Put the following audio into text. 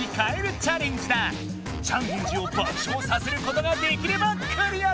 チャンエンジを爆笑させることができればクリアだ！